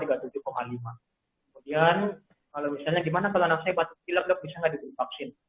kemudian kalau misalnya gimana kalau anak saya batuk pilek dok bisa nggak diberi vaksin